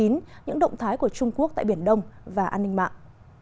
những động thái của trung quốc tại biển đông và an ninh mạng